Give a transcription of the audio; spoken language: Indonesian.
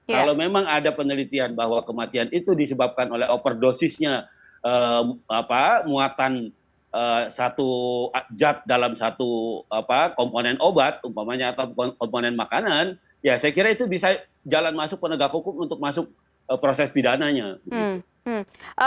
kalau memang ada penelitian bahwa kematian itu disebabkan oleh overdosisnya muatan satu jad dalam satu komponen obat komponen makanan ya saya kira itu bisa jalan masuk penegak hukum untuk masuk proses pidananya